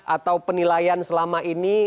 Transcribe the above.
atau penilaian selama ini